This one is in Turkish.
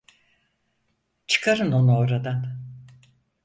Çıkarın onu oradan.